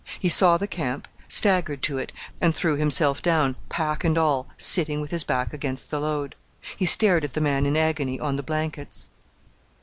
He saw the camp, staggered to it, and threw himself down, pack and all, sitting with his back against the load. He stared at the man in agony on the blankets.